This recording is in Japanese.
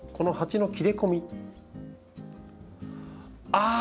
ああ！